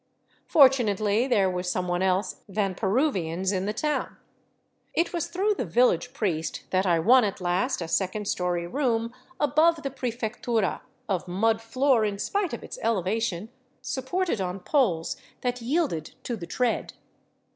Fortunately there was some one else than Peruvians in the town. It was through the village priest that I won at last a second story room above the pre fectura, of mud floor in spite of its elevation, supported on poles that yielded to the tread.